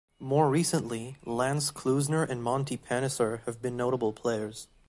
More recently, Lance Klusener and Monty Panesar have been notable players.